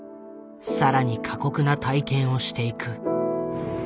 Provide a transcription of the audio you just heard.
更に過酷な体験をしていく。